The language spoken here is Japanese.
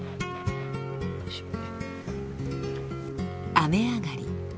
雨上がり。